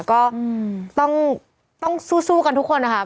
ก็ต้องสู้กันทุกคนค่ะ